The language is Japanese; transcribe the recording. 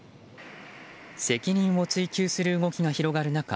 責任を追及する動きが広がる中